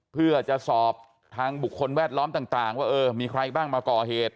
เพื่อจะสอบทางบุคคลแวดล้อมต่างว่าเออมีใครบ้างมาก่อเหตุ